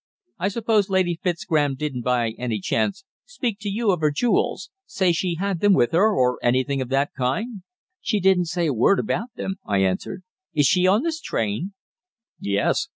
I suppose Lady Fitzgraham didn't, by any chance, speak to you of her jewels say she had them with her, or anything of that kind?" "She didn't say a word about them," I answered. "Is she on this train?" "Yes.